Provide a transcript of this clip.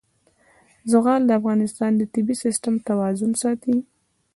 زغال د افغانستان د طبعي سیسټم توازن ساتي.